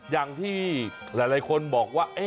อย่างที่หลายคนบอกว่า